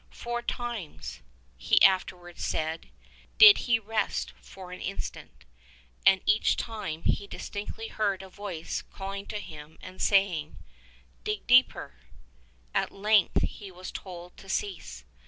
Four times, he afterwards said, did he rest for an instant, and each time he distinctly heard a voice calling to him and saying — ''Dig Deeper r At length he was told to cease.